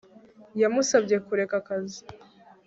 yamusabye kureka akazi